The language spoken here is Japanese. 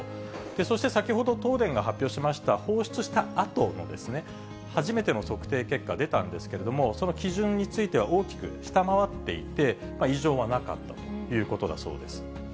そして先ほど、東電が発表しました、放出したあとの初めての測定結果、出たんですけれども、その基準については、大きく下回っていて、異常はなかったということだそうです。